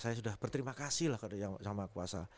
saya sudah berterima kasih lah yang sama kuasa